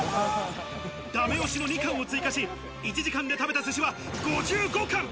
ダメ押しの２貫を追加し、１時間で食べた寿司は５５貫。